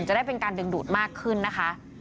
จะได้เป็นการดึงดูดมากขึ้นนะคะ